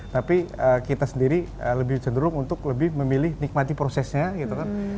tapi kita sendiri lebih cenderung untuk lebih memilih nikmati prosesnya gitu kan